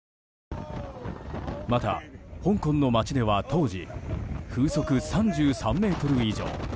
また、香港の街では当時風速３３メートル以上。